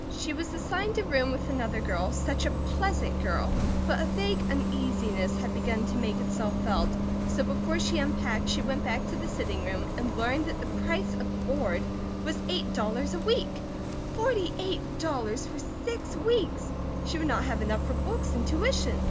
She was assigned a room with another girl, such a pleasant girl; but a vague uneasiness had begun to make itself felt, so before she unpacked she went back to the sitting room and learned that the price of board was eight dollars a week. Forty eight dollars for six weeks! She would not have enough for books and tuition.